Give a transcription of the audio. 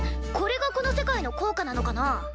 これがこの世界の硬貨なのかな？